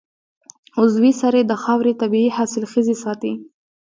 عضوي سرې د خاورې طبعي حاصلخېزي ساتي.